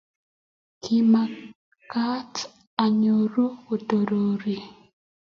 kiamaktaat ayoruu katorore